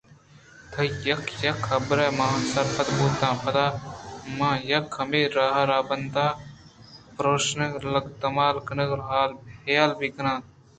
تئی یک یک حبرے ءَ من سرپد بوتاں ءُپدا منءَ یک ہمے راہ ءُرَہبند ءِ پرٛوشگ ءُلگتمال کنگ ءِحیال ہم نہ کناں